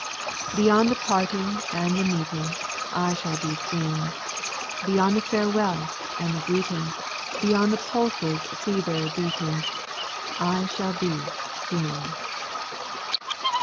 Beyond the parting and the meeting, I shall be soon ; Beyond the farewell and the greeting, Beyond the pulse^s fever beating, I shall be soon.